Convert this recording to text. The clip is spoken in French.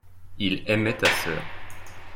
il aimait ta sœur.